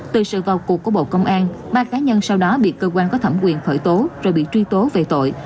từ sự vào cuộc của bộ công an ba cá nhân sau đó bị cơ quan có thẩm quyền khởi tố rồi bị truy tố về tội